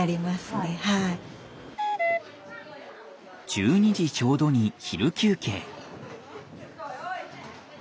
１２時ちょうどに昼休憩。